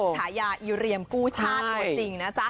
ฉายาอยู่เหลี่ยมกู้ชาติหมดจริงนะจ๊ะ